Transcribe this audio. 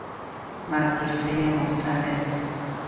مدرسهُ مختلط